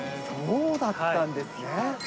そうだったんですね。